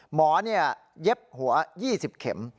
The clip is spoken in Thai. หมอเย็บหัว๒๐เข็ม